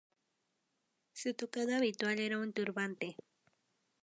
Su tocado habitual era un turbante.